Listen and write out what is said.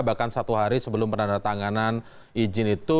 bahkan satu hari sebelum penandatanganan izin itu